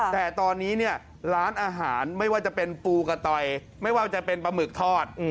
แต่ตอนนี้เนี่ยร้านอาหารไม่ว่าจะเป็นปูกระตอยไม่ว่าจะเป็นปลาหมึกทอด